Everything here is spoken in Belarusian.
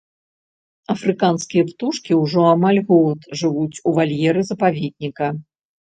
Афрыканскія птушкі ўжо амаль год жывуць у вальеры запаведніка.